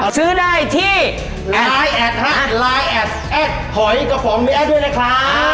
ซื้อได้ที่ไลน์แอ็ดแอธหอยกะหมองมีแอธด้วยนะครับ